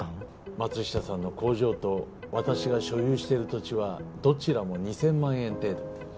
松下さんの工場と私が所有している土地はどちらも２，０００万円程度。